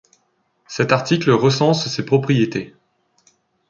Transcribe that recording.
Cet article recense ces propriétés.